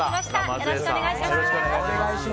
よろしくお願いします。